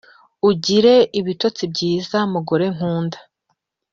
Ugire ibitotsi byiza mugore nkunda